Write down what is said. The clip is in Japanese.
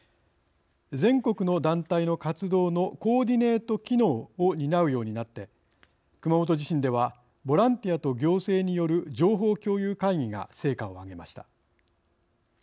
全国の団体の活動のコーディネート機能を担うようになって熊本地震ではボランティアと行政による情報共有会議が成果を挙げました。